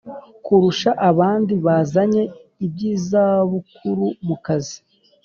kurusha abandi bazanye iby’izabukuru mukazi